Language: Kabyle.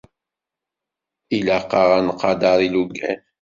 Ilaq-aɣ ad nqader ilugan.